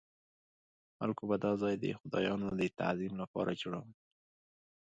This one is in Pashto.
خلکو به دا ځای د خدایانو د تعظیم لپاره جوړاوه.